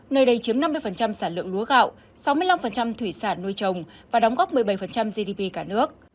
nơi đây chiếm năm mươi sản lượng lúa gạo sáu mươi năm thủy sản nuôi trồng và đóng góp một mươi bảy gdp cả nước